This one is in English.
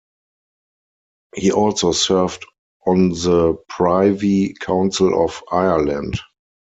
He also served on the Privy Council of Ireland.